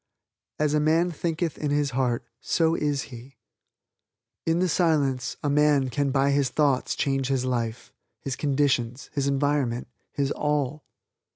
"As a man thinketh in his heart so is he." In the Silence a man can by his thoughts change his life, his conditions, his environment, his all.